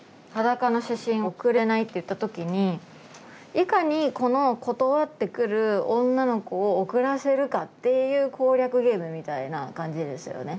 「裸の写真送れない」って言った時にいかにこの断ってくる女の子を送らせるかっていう攻略ゲームみたいな感じですよね。